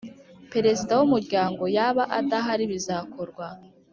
Perezida wumuryango yaba adahari bizakorwa